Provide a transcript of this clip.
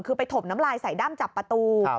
คือไปถมน้ำลายใส่ด้ำจับประตู